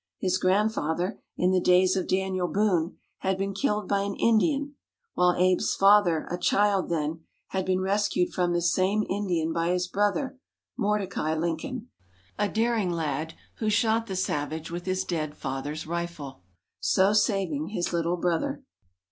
His grandfather, in the days of Daniel Boone, had been killed by an Indian, while Abe's father a child then had been rescued from this same Indian by his brother, Mordecai Lincoln, a daring lad, who shot the savage with his dead father's rifle, so saving his little brother.